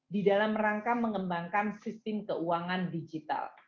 di dalam rangka mengembangkan sistem keuangan digital